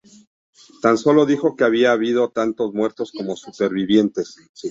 Tan sólo dijo que había habido tanto muertos como supervivientes.